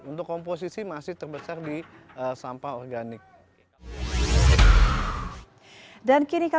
untuk komposisi masih terbesar di sampah organik